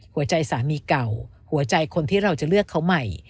สามีเก่าหัวใจคนที่เราจะเลือกเขาใหม่